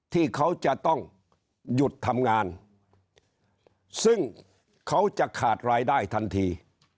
ที่เขาจะต้องหยุดทำงานซึ่งเขาจะขาดรายได้ทันที